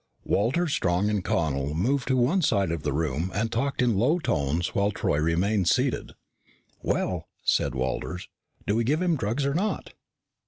Walters, Strong, and Connel moved to one side of the room and talked in low tones while Troy remained seated. "Well," said Walters, "do we give him drugs or not?"